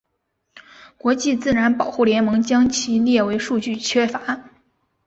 国际自然保护联盟将其列为数据缺乏。